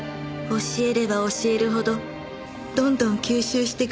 教えれば教えるほどどんどん吸収してくれるの。